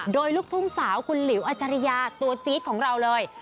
โดยลูกทุ่งสาวคุณหลิวอาจารยาตัวจี๊ดของเราเลย